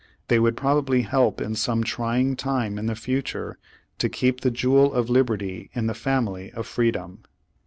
Ihey would probably help in some trying time in the future to keep the jewel of Liberty in the family of Freedom."